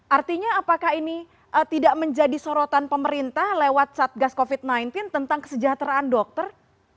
artinya apakah ini tidak menjadi sorotan pemerintah lewat satgas covid sembilan belas tentang kesejahteraan dokter